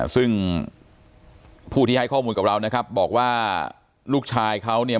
ซึ่งผู้ที่ให้ข้อมูลกับเรานะครับบอกว่าลูกชายเขาเนี่ย